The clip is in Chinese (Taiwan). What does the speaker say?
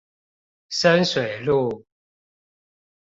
深水路